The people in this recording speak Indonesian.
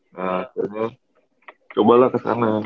nah akhirnya cobalah kesana